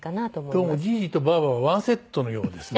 どうもじぃじとばぁばは１セットのようですね。